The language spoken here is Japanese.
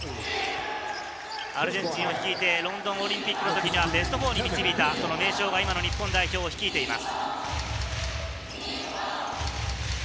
アルゼンチンを率いて、ロンドンオリンピックの時にはベスト４に導いた名将が日本代表を率いています。